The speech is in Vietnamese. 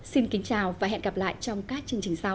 xin kính chào và hẹn gặp lại trong các chương trình sau